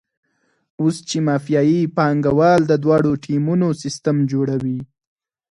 اوس چې مافیایي پانګوال د دواړو ټیمونو سیستم جوړوي.